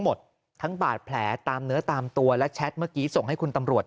หมดทั้งบาดแผลตามเนื้อตามตัวและแชทเมื่อกี้ส่งให้คุณตำรวจ